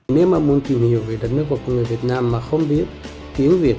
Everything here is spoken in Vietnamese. nếu mà muốn tìm hiểu về đất nước của người việt nam mà không biết tiếng việt